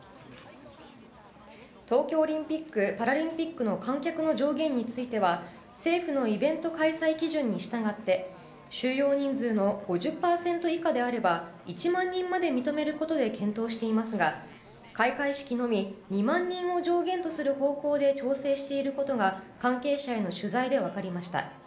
東京オリンピック・パラリンピックの観客の上限については政府のイベント開催基準に従って収容人数の５０％以下であれば１万人まで認めることで検討していますが開会式のみ２万人を上限とする方向で調整していることが関係者への取材で分かりました。